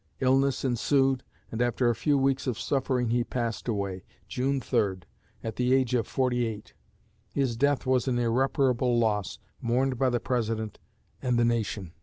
Illness ensued, and after a few weeks of suffering he passed away, June 3, at the age of forty eight. His death was an irreparable loss, mourned by the President and the nation.